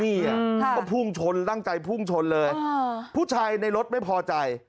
นี่ก็พุ่งชนตั้งใจพุ่งชนเลยผู้ชายในรถไม่พอใจ